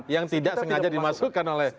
yang tidak sengaja dimasukkan oleh